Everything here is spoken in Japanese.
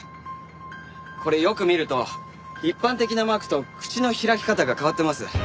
これよく見ると一般的なマークと口の開き方が変わってます。